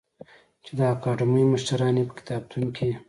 چې د اکاډمۍ مشران یې په کتابتون کې